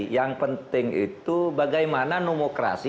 yang penting itu bagaimana nomokrasi